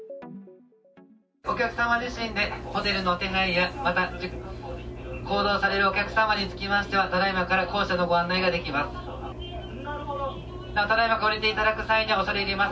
お客様自身で、ホテルの手配や、また、行動されるお客様につきましては、ただいまから降車のご案内ができます。